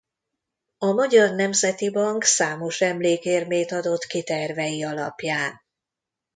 A Magyar Nemzeti Bank számos emlékérmét adott ki tervei alapján.